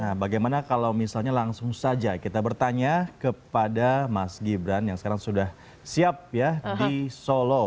nah bagaimana kalau misalnya langsung saja kita bertanya kepada mas gibran yang sekarang sudah siap ya di solo